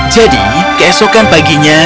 jadi keesokan paginya